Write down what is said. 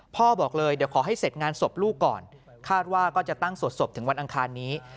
บอกเลยเดี๋ยวขอให้เสร็จงานศพลูกก่อนคาดว่าก็จะตั้งสวดศพถึงวันอังคารนี้